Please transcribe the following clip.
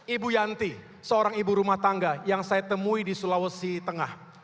ibu yanti seorang ibu rumah tangga yang saya temui di sulawesi tengah